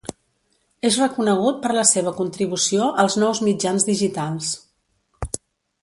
És reconegut per la seva contribució als nous mitjans digitals.